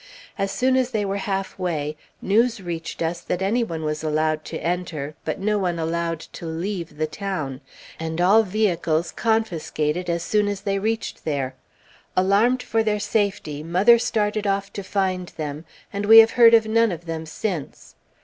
As soon as they were halfway, news reached us that any one was allowed to enter, but none allowed to leave the town, and all vehicles confiscated as soon as they reached there. Alarmed for their safety, mother started off to find them, and we have heard of none of them since.